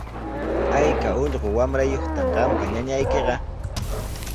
¿Ayka ullqu wamrayuqtaq qampa ñañaykiqa?